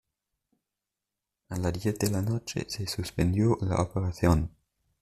A las diez de la noche se suspendió la operación.